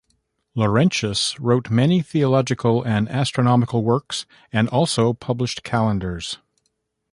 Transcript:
Laurentius wrote many theological and astronomical works and also published calendars.